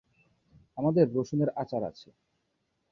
আমাদের রসুনের আচার আছে।